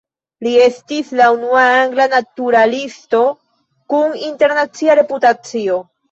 Li estis la unua angla naturalisto kun internacia reputacio.